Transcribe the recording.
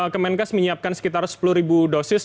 kemenkes menyiapkan sekitar sepuluh ribu dosis